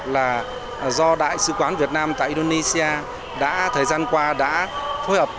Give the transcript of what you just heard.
là do đại sứ quán việt nam tại indonesia đã thời gian qua đã phối hợp